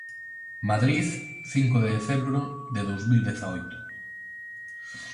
Madrid, cinco de decembro de dous mil dezaoito.